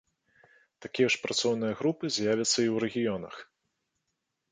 Такія ж працоўныя групы з'явяцца і ў рэгіёнах.